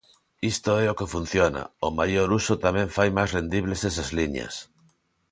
Isto é o que funciona: o maior uso tamén fai máis rendibles esas liñas.